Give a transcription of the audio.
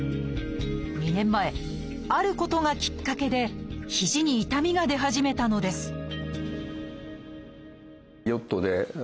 ２年前あることがきっかけで肘に痛みが出始めたのです